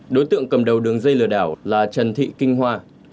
đối tượng cầm đầu đường dây lừa đảo là trần thị kinh hoa